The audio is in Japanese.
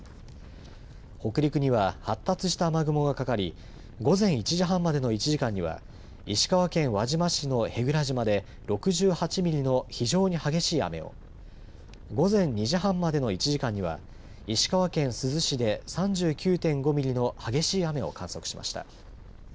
北陸には発達した雨雲がかかり午前１時半までの１時間には石川県輪島市の舳倉島で６８ミリの非常に激しい雨を午前２時半までの１時間には石川県珠洲市で３９．５ミリの激しい雨を観測しました。